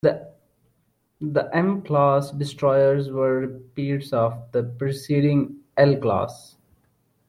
The M-class destroyers were repeats of the preceding L class.